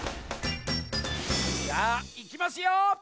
じゃあいきますよ！